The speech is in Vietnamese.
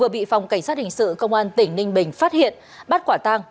bị phòng cảnh sát hình sự công an tỉnh ninh bình phát hiện bắt quả tăng